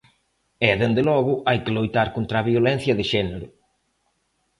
E, dende logo, hai que loitar contra a violencia de xénero.